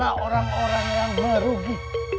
kau adalah orang orang yang berhenti